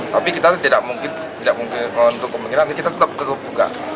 tapi kita tidak mungkin untuk kemungkinan kita tetap buka